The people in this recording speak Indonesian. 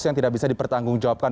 yang tidak bisa dipertanggungjawabkan